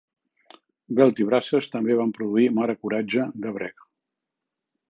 Belt i Braces també van produir "Mare Coratge" de Brecht.